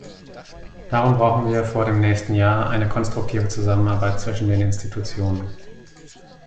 Darum brauchen wir vor dem nächsten Jahr eine konstruktive Zusammenarbeit zwischen den Institutionen.